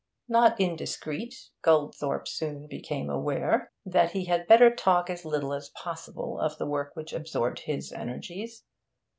Not indiscreet, Goldthorpe soon became aware that he had better talk as little as possible of the work which absorbed his energies.